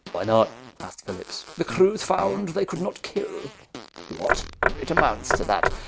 "Why not?" asked Phillips. "The crews found they could not kill!" "What?" "It amounts to that.